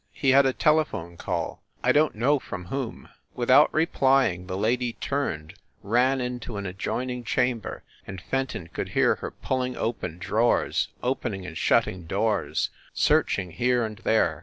He had a telephone call. I don t know from whom." Without replying, the lady turned, ran into an adjoining chamber, and Fenton could hear her pull ing open drawers, opening and shutting doors, searching here and there.